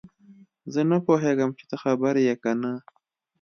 زه نه پوهیږم چې ته خبر یې که نه